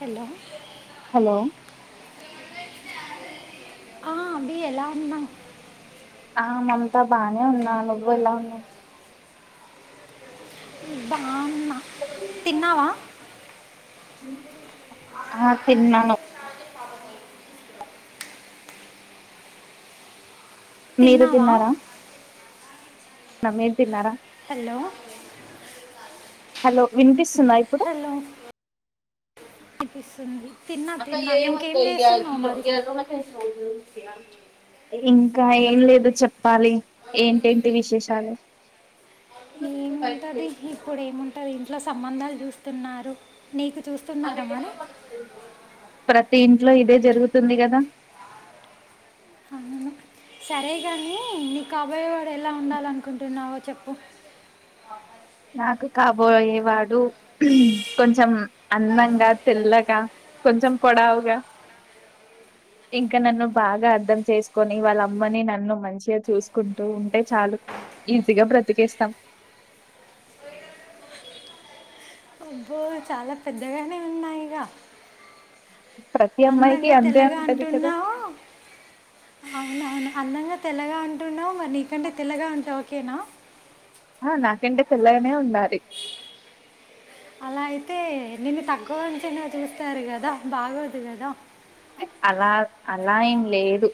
Hello hello ఆ అభి ఎలా ఉన్నావ్ ఆ మమతా బాగానే ఉన్నా నువ్వు ఎలా ఉన్నావు. బాగ్ న్నా తిన్నావా ఆ తిన్నాను మీరు తిన్నావా తిన్నారా నమ్ేం తిన్నారా హలో హలో వినిపిస్తుందా ఇప్పుడు విస్తుంది అక్క ఏ మ కి గ కస ఏ ఇంకా ఏం లేదు చెప్పాలి ఏంటంటి విశేషాలు ఉంటది ఇప్పుడు ఏముంటది అట్లా సంబంధాలు చూస్తున్నారు నీకు చూస్తున్నారమ్మాని ప్రతి ఇంట్లో ఇదే జరుగుతుంది కదా అవును సరే గాని నకు అబాయ్య వాడు ఎలా ఉండాలి అనుకుంటున్నావో చెప్ప ఓహ నాకు కాబోయేవాడు కొంచెం అందంగా తెల్లగా కొంచెం పొడావుగా ఇంకా నన్ను బాగా అర్ధం చేసుకొని వాళ్ళ అమ్మని నన్ను మంచిగా చూసుకుంటూ ఉంటే చాలు ఈజీగా బ్రతికేస్తాం అబ్బో చాలా పెద్దగానే ఉన్నా ఇక ప్రతి అమ్మాయికి అందంగా అంతే తెల్లగా ఉంటది కదా అంటున్నావు అ అందంగా తెల్లగా అంటున్నాం ఇ నీకంటే తెలగా ఉంట ఓకేనా ఆ నాకంటే తెిల్లనే ఉండాలి అలా అయితే నిేు తక్కువంచి చూస్తారు కదా బాగోదు కదా అలా అలా ఏం లేదు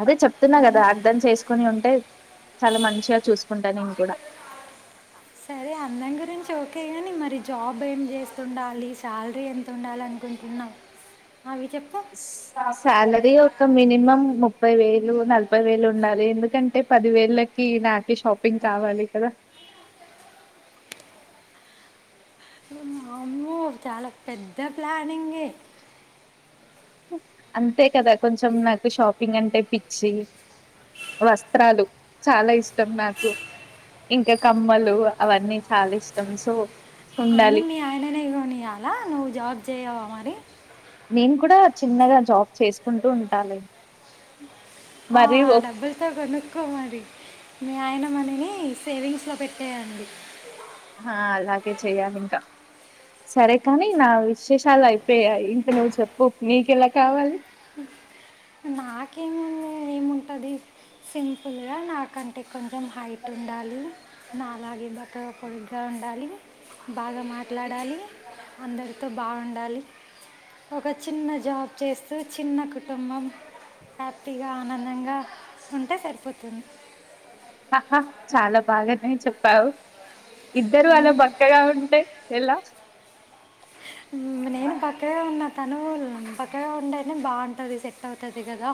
అదే చెప్తున్నా అవును. కదా అర్థం చేసుకు కని ఉంటే చాలా మంచిగా చూసుకుంటా నేను కూడా సరే అందం గురించి ఓకే కానీ మరి జాబ్ ఏం చేస్త ండాలి శాలరీ ఎంత ండాలనుకుంటున్నాను సెలరి ఇ మినిమం ముప్పై వేలు నలభై వేలు ఉండాలి ఎందుకంటే పది వేలకి నాక షాపింగ్ కావాలి కదా అమ్మ చాలా పెద్ద ప్లానింగ్ అంతే కదా కొంచెం నాకు షాపింగ్ అంటే పిచ్చి వస్త్రాలు చాలా ఇష్టం నాకు ఇంకా కమ్మలు అవన్నీ చాలా ఇష్టం సో అన్ని ఉండాలి మీ ఆయననే కొనియ్యాల నువ్వు జాబ్ చేయవ మరి నేను కూడా చిన్నగా జాబ్ చేసుకుంటూ ఉంటా లె ఆహా డబ్బులతో కొనుక్కో మరి అనేవి సేవింగ్స్ లో పెట్టేయండి హా అలాగే చెయ్యాలి ఇంకా సరే కని నా విశేషాలు అయిపోయాయి ఇంక నువ్ చెప్పు నీకు ఎలా కావాలి నాకేమ్ ఇంక ఏముంటది సింపుల్గా నాకంటే కొంచెం హైట్ ఉండాలి నాలాగె బట్ట పొడుగ్గా ఉండాలి బాగ మాట్లాడాలి అందరికి తో బాగుండాలి ఒక చిన్న జాబ్ చేస్తూ చిన్న కుటుంబం హప్పీగా ఆనందంగా ఉంటె సరి పోతున్ ఆహా చాల బాగానే చెప్పావు ఇద్దరు అలా బక్కగా ఉంటె ఎలా ఉమ్ నేను బక్క తనూ బ చక్కగా ఉంటేనే బాగుంటది తోతదిగదా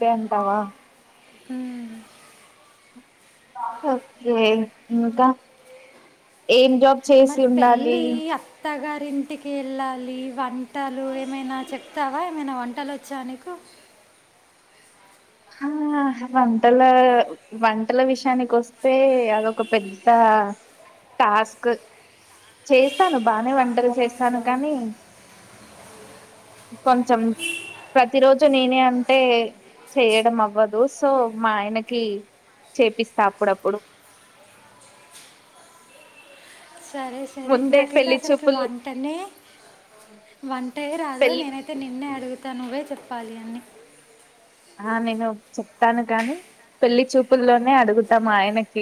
ఎమ్ బహ ఉమ్ ఎ రే ఇంకా ఏం జాబ్ చేసి ఉండాలి ఇంటికి వెళ్ళాలి వం పట్టాలు ఏమైనా చెప్తావ ఏమైనా వంట ఆటలులు వచ్చా నీకు హా వంటల వంటల విషయానికి వస్తే అదొక పెద్ద టాస్క్ చేస్తాను బానే వంటలు చేస్తాను కానీ కొంచెం ప్రతిరోజు నేనే అంటే చెయ్యడం అవ్వదు సో మా ఆయనకి చేపిస్తా అప్పుడప్పుడు సరే సరే ముందే నాకైతే పెళ్లి అసలుకి చూపులు వంటనే వంటె రాదు పెళ్లి నేనైతే నిన్నే అడుగుతను ఇక నువ్వే చెప్పాలి అన్నీ ఆ నేను చెప్తాను కాని పెళ్లిి చూపుల్లోనే అడుగుతా మా ఆయనకి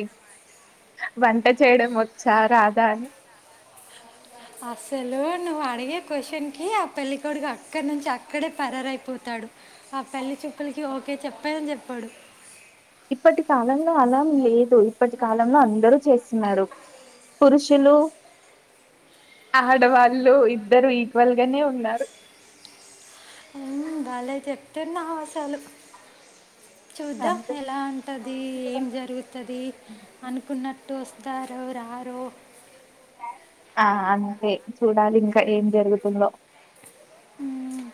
వంట చేయడం వచ్చా రాదా అని అసలు నువ్వు అడిగే క్వషన్ కి ఆ పెళ్ళికొడుకు అక్కడ నుంచి అ అక్కడే పరారయిపోతాడు ఆ పెళ్లి చూపులకి ఓకే చెప్పేదని చెప్పాడు ఇప్పటి పాలంలో అలాం లేదు ఇప్పటి కాలంలో అందరూ చేస్తున్నారు పురుషులు ఆడవాళ్ళు ఇద్దరు ఈక్వల్గానే ఉన్నారు ఉమ్, భలే చెప్తున్నావసలు చూద్దాం అంతే ఎలా ఉంటది ఏం జరుగుతది అనుకున్నటు వస్తారో రారో ఆ అంతే చూడాలి ఇంక ఏం జరుగుతుందో హమ్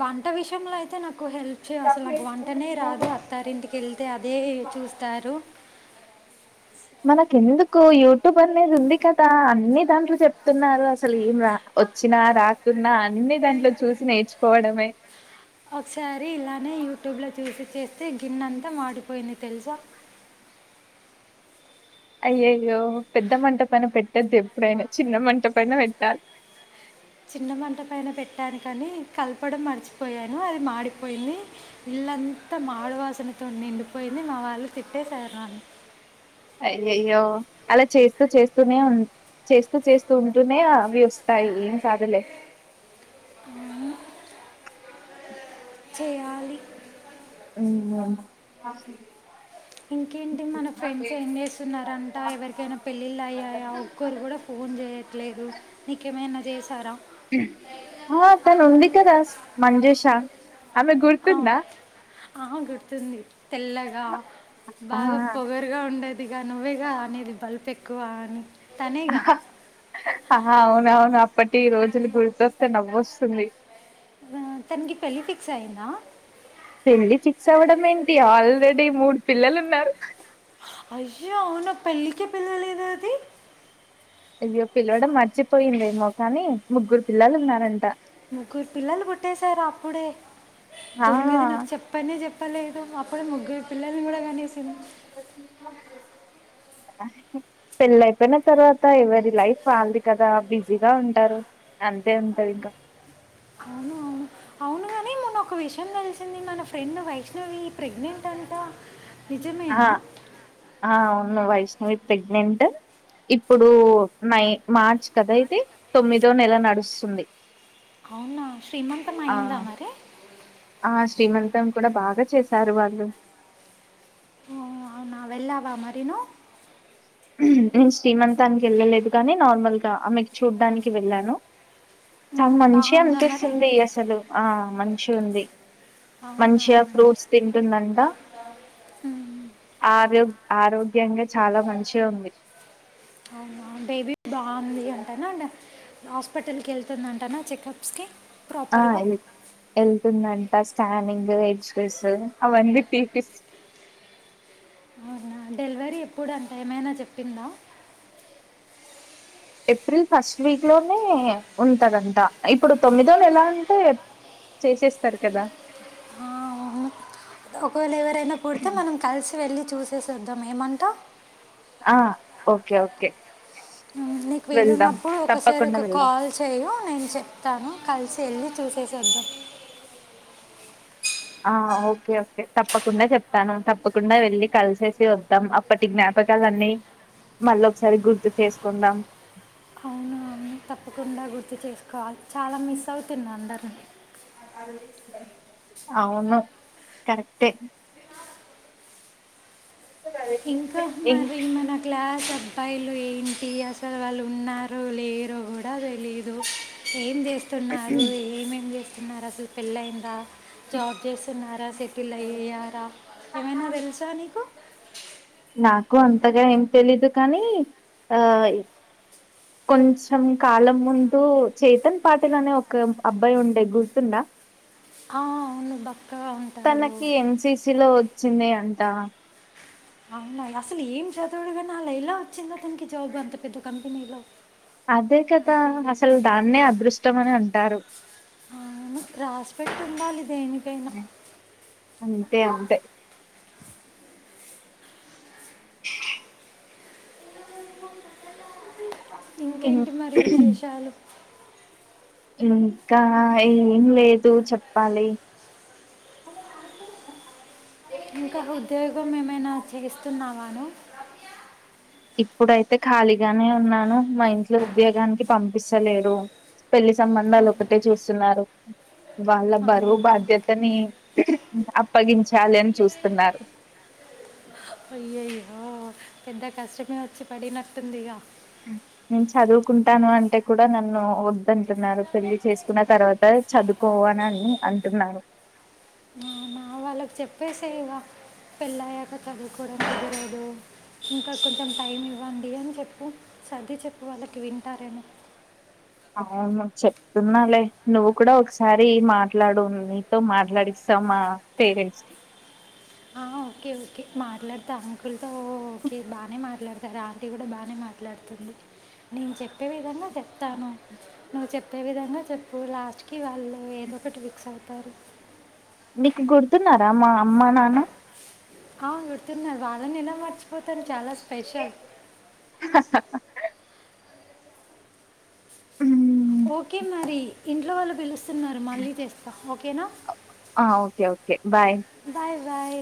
వంట విషయంలో అయితే నాకు హెల్ప్ చే అసలు నాకు వంటనే రాదు అత్తారింటికి వెళ్తే అదే చూస్తారు మనక ఎందుకు యూట్యూబ్ అనేది ఉంది కదా అన్ని దాంట్లో చెప్తున్నారు అసలు ఏం రా వచ్చినా రాకున్నా అన్ని దాంట్లో చూసి నేర్చుకోవడమే ఒకసారి ఇలానే యూట్యూబ్ లో చూసి చేస్త తే గిన్నెంత మాడిపోయింది తెలుస అయ్యయ్యో పెద్ద మంట పైన పెట్టద్దు ఎప్పుడైనా చిన్న మంట పైన పెట్టాలి చిన్నమంట పైన పెట్టాను కాని కలపడం మర్చిపోయాను అది మాడిపోయింది ఇల్లంతా మాడువాసనతో నిండిపోయింది మా వాళ్ళు తిట్టేసారు నన్ను అయ్యయ్యో అలా చేస్తూ చేస్తూనే ఉ చేస్తూ చేస్తూ ఉంటూనే అవి వస్తాయి ఏం కాదులే చేయాలి హమ్ ఇంకేంటి మన ఫ్రెండ్స్ ఏం చేస్తున్నారంట ఎవరికైనా పెళ్ళిళ్ళ అయ్యాయా ఒక్కరు కూడా ఫోన్ చేయట్లేదు నీకేమైనా జేశార హా తను ఉంది కద మంజూష ఆమె గుర్తుందా ఆహ గుడుతుంది తెల్లగ ఆ బాగా పొగరుగా ఉండేదిగా నువ్వేగా అనేది బల్ప ఎక్ ఎక్కువ అని తనేగ ఆహా అవున అవును అప్పటి రోజులు గుర్తొస్తే నవ్వొస్తుంది తనకి పెళ్లి ఫిక్స్ అయ్యందా పెళ్లి ఫిక్స్ అవ్వడం ఏంటి ఆల్రెడీ మూడు పిల్లలు ఉన్నారు అయ్యా అవునా పెళ్ళికే పిలవలేదే అది అయ్యో పిలవడం మర్చిపోయిందేమో కనీ ముగ్గురు పిల్లలు ఉన్నారంట ముగ్గురు పిల్లలు పూట్టేశార అప్పుడే ఆ దొంగది నాకు చెప్పనే చెప్ప పలేదు అప్పుడ ముగ్గురు పిల్లల్ని కూడా కానేసింది పెళ్ళ అయిపోయిన తర్వాత ఎవరి లైఫ్ ఆాలది కదా బిజీగ ఉంటారు అంతే ఉంటాది ఇంక అవును అవును అవును ఒక విషయం తెలిసింది మన ఫ్రెండ్ వైష ఇ ప్రెగ్నెంట్ అంట నిజమేన ఆ ఆ వైష్ణవి ప్రెగ్నెంట్ ఇప్పుడు నై మార్చ్ కద అయితే తొమ్మిదో నెల నడుస్తుంది అవునా శ్రీమంతం ఆ అయిందా మరి ఆ శ్రీమంతం కూడా బాగా చేశారు వాళ్ళు ఒ అవునా వెళ్ళావ మరిను నేను శీమంతానికి వెళ్ళలేదు కనీ నార్మల్గా ఆమెను చూడ్డానికి వెళ్ళాను చాలా మ్మ్, మంచి బాగుందా మరి అనిపిస్తుంది అసలు ఆ మనిషి ఉంది అవునా మంచిగా ఫ్రూట్స్ తింటుందంట ఆరో ఆరోగ్య ముఖ్యంగా చాలా మంచిష ఉంది అవునా బేబీ బాగుంది అంటన హాస్పిటల్కెళ్తుందంటానా చెకప్స్కి ఆ ప్రాపర్గా యెళ్తుందంట స్కానింగ్ ఎక్స్పీస్ అవునా డెలివరీ ఎప్పుడు అంత ఏమైనా చెప్పిందా ఏప్రిల్ ఫస్ట్ వీక్ లోనే ఉంటదంట ఇప్పుడు తొమ్మిదోళ్ళ ఎలా అంటే చేసేస్తారు కదా ఆ, అవును ఒకవేళ ఎవరైనా పుడితే మనం కలిసి వెళ్ళి చూసేసొద్దాం ఏమంటావ్ ఆ ఓకే ఓకే నీకు వెళ్దాం వీలున్నప్పుడు ఒకసారి తప్పకుండా ఒక వెళ్దాం కాల్ చేయు నేను చెప్తాను కలిసి వెళ్ళి చూసేసొద్దాం ఆ ఓకే ఓకే తప్పకుండా జెప్తాను తప్పకుండా వెళ్ళి కలిసేసి వద్దాం అప్పటి జ్ఞాపకాాలన్నీ మళ్ళీ ఒకసారి గుర్తు చేసుకుందాం అవును అవును, తప్పకుండా గుర్తు చేస్ కాల్ చాలా మిస్ అవుతుంది అందరినీ అవును కరెక్ట్ ఇంకా ఇం- మరి మన క్లాస్ అబ్బాయిలు ఇంటి అసలు వాళ్ళు ఉన్నారు లేరు కూడాద లేదు ఏం జెస్తున్నారు ఏమేం చే న్నార అసలు పెల్లయింద జాబ్ జేస్తున్నారా సెటిల్ అయ్యారా ఏమైనా తెలుసా నీకు నాకు అంతగా ఏం తెలిదు కానీ ఆ కొంచెం కాలం ముందు చేతన్ పాటలు అనే ఒక అబ్బాయి ఉండే గుర్తుండ "ఆ, అవును బక్కగా ఉంటాడు తనకి ఎన్సిసి లో వచ్చింది అంటడి ఆ అవునా అసలు ఏం చదువుడు గానీ అల ఎలా వచ్చిందోతననికి జాబ్ అంత పెద్ద కంపెనీలో అదే కదా అసలు దాన్నే అదృష్టం అని అంటారు అవును రాస్పెట్టి ఉండాలి దేనికైనా అంతే ఉంటాయి ఇం ఇంకేంటి మరి విశేషాలు ఇంకా ఏం లేదు చెప్పాలి అ మ ఇంకా ఉద్యోగం ఏమైనా చేస్తున్నావాను ఇప్పుడైతే ఖాళీగానే ఉన్నాను మా ఇంట్లో ఉద్యోగానికి పంపిస్తలేడు పెళ్లి సంబంధాలు ఒకటే చూస్తున్నారు వాళ్ళ బరువు అవునా బాధ్యతని అప్పగించాలి అని చూస్తున్నారు అయ్యయ్యో పెద్ద కష్టమే వచ్చి పడినట్టుందిగా నేను చదువుకుంటాను అంటే కూడా నన్ను వద్దు అంటున్నారు పెళ్లి చేసుకున్న తర్వాత చదువుకో అని అంటున్నారు మా మా వాళ్ళకి చెప్పేసేగా పెళ్ళ అయ్యాక చదువుకోవడం కుదరదు ఇంకా కొంచెం టైం ఇవ్వండి అని చెప్పు సద్ది చెప్పు వాళ్ళకి వింటారేమో అవును చెప్తున్నాాలే నువ్వు కూడా ఒకసారి మాట్లాడు నీతో మాట్లాడిస్తాను మా పేరెంట్స్ కి ఆ, ఓకే ఓకే మాట్లాడతా అంకుల్తో ఓకే బానే మాట్లాడతారు ఆంటీ కూడా బానే మాట్లాడుతుంది నేను చెప్పే విధంగా చెప్తాను నువ్వు చెప్పే విధంగా చెప్పు లాస్ట్కి వాళ్ళు ఏదో ఒకటి ఫిక్స్ అవు తారు నీకు గుర్తున్నారా మా అమ్మ నాన్న హ గుర్ తున్నారు వాళ్ళని ఎలా మర్చిపోతాను చాలా స్పెషల్ ఓకే మరి ఇంట్లో వాళ్ళు పిలుస్తున్నారు మళ్ళీ చేస్తా ఓకేనా ఆ okay okay bye bye bye